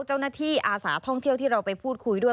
เจ้าหน้าที่อาสาท่องเที่ยวที่เราไปพูดคุยด้วย